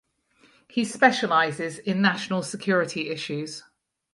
He specialises in national security issues.